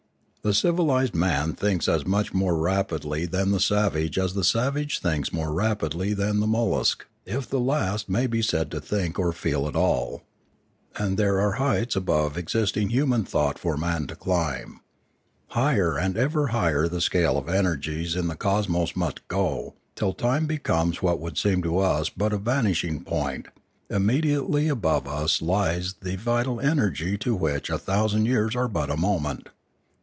The civilised man thinks as much more rapidly than the savage as the savage thinks more rapidly than the mollusc, if the last may be said to think or feel at all. And there are heights above existing human thought for man to climb. Higher and ever higher the scale of energies in the cosmos must go, till time becomes what would seem to us but a vanishing point; immediately above us lies the vital energy to which a thousand years are but as a moment.